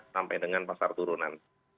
sampai dengan pasar turunan